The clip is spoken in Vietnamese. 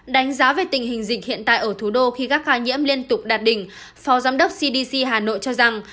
đánh giá về tình hình dịch hiện tại ở thủ đô khi các ca nhiễm liên tục đạt đỉnh phó giám đốc cdc hà nội cho rằng